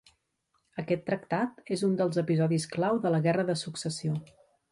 Aquest tractat és un dels episodis clau de la Guerra de Successió.